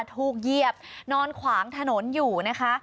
เหยียบนอนขวางถนนอยู่นะคะ